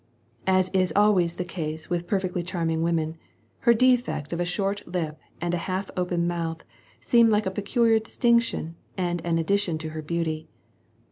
As is always the lase with perfectly charming women, her defect of a short iip iind a half open mouth seemed like a peculiar distinction aad an addition to her beauty.